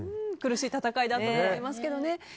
苦しい戦いだったと思いますけどね。